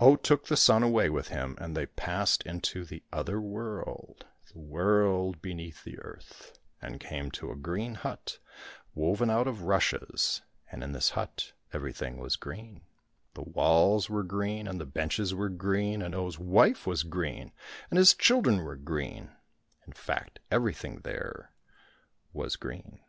Oh took the son away with him, and they passed into the other world, the world beneath the earth, and came to a green hut woven out of rushes, and in this hut everything was green ; the walls were green and the benches were green, and Oh's wife was green and his children were green — in fact, everything there was B 17 COSSACK FAIRY TALES green.